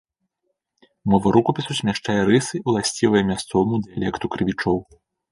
Мова рукапісу змяшчае рысы, уласцівыя мясцоваму дыялекту крывічоў.